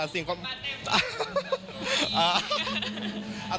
สิ่งความสวย